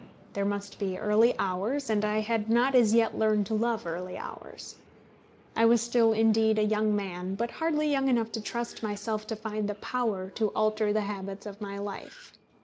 There must be early hours, and I had not as yet learned to love early hours. I was still, indeed, a young man; but hardly young enough to trust myself to find the power to alter the habits of my life.